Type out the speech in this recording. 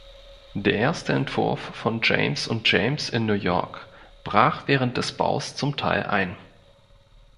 Der erste Entwurf von James und James in New York brach während des Baus zum Teil ein.